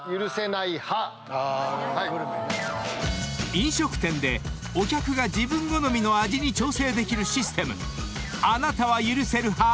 ［飲食店でお客が自分好みの味に調整できるシステムあなたは許せる派？